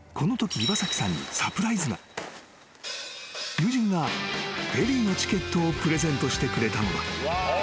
［友人がフェリーのチケットをプレゼントしてくれたのだ］